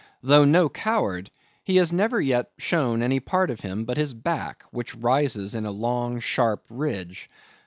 Though no coward, he has never yet shown any part of him but his back, which rises in a long sharp ridge.